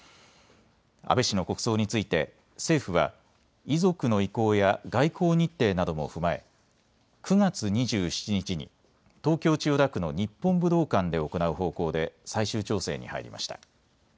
安倍氏の国葬について政府は遺族の意向や外交日程なども踏まえ９月２７日に東京千代田区の日本武道館で行う方向で最終調整に入りました。